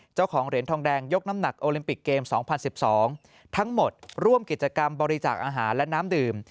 เจ้าของเหรียญทองแดงยกน้ำหนักโอลิมปิกเกม๒๐๑๒ทั้งหมดร่วมกิจกรรมบริจาคอาหารและน้ำดื่ม